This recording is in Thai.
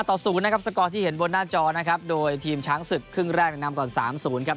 ต่อศูนย์นะครับสกอร์ที่เห็นบนหน้าจอนะครับโดยทีมช้างศึกครึ่งแรกนำก่อน๓๐ครับ